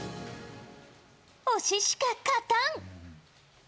推ししか勝たん！